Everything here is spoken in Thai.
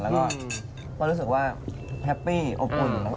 แล้วก็รู้สึกว่าแฮปปี้อบอุ่น